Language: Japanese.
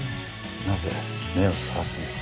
なぜ目をそらすんです？